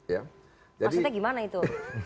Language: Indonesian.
maksudnya gimana itu